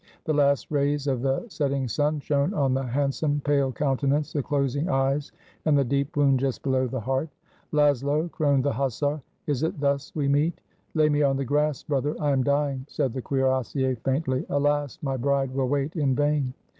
The last rays of the setting sun shone on the hand some, pale countenance, the closing eyes, and the deep wound just below the heart. "Laszlo!" groaned the hussar, "is it thus we meet?" "Lay me on the grass, brother; I am dying," said 357 AUSTRIA HUNGARY the cuirassier faintly. "Alas! my bride will wait in vain!"